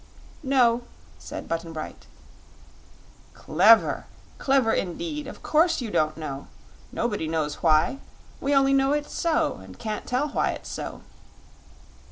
"No," said Button Bright. "Clever! clever indeed! Of course you don't know. Nobody knows why; we only know it's so, and can't tell why it's so.